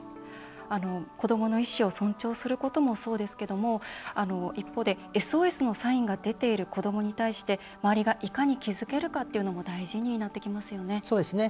子どもの意思を尊重することもそうですけども一方でＳＯＳのサインが出ている子どもに対して周りがいかに気付けるかも大事になってきますよね。